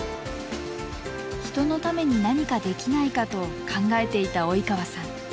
人のために何かできないかと考えていた笈川さん。